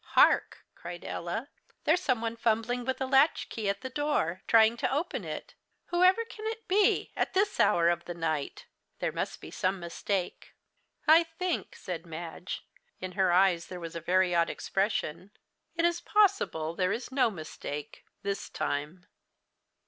"Hark," cried Ella. "There's some one fumbling with a latchkey at the door, trying to open it. Whoever can it be at this hour of the night? There must be some mistake." "I think," said Madge, in her eyes there was a very odd expression, "it is possible there is no mistake this time."